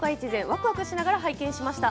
わくわくしながら拝見しました。